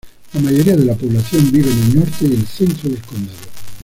La mayoría de la población vive en el norte y el centro del condado.